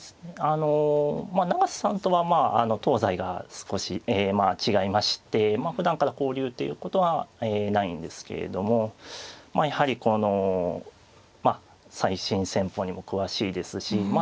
あの永瀬さんとはまあ東西が少しえまあ違いましてふだんから交流ということはないんですけれどもやはりこの最新戦法にも詳しいですしま